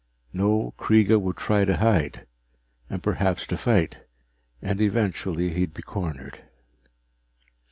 No, Kreega would try to hide, and perhaps to fight, and eventually he'd be cornered.